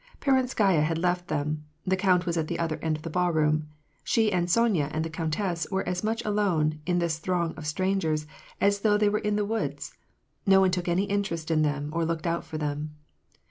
Peronskaya had left them; the count was at the other end of the ballroom; she and Sonya and the countess were as much alone, in this throng of strangers, as though they were in the woods ; no one took any interest in them, or looked out for them.